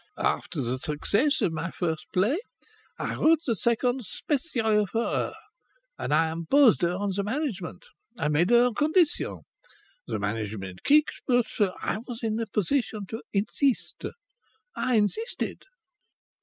"After the success of my first play I wrote the second specially for her, and I imposed her on the management. I made her a condition. The management kicked, but I was in a position to insist. I insisted."